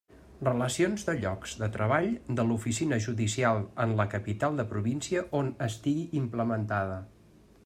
Relacions de llocs de treball de l'oficina judicial en la capital de província on estigui implementada.